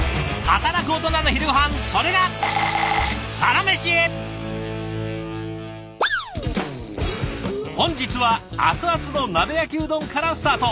働くオトナの昼ごはんそれが本日は熱々の鍋焼きうどんからスタート。